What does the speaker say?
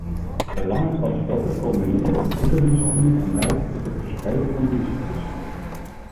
De lange transporten komen neer op dierenmishandeling en leiden tot het verspreiden van dierziektes.